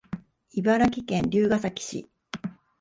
茨城県龍ケ崎市